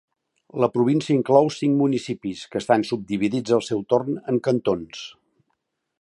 La província inclou cinc municipis, que estan subdividits al seu torn en cantons.